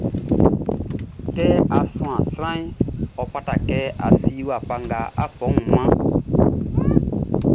Kɛ á súan sranʼn, ɔ fata kɛ a si wafa nga á fá ɔ wun mánʼn.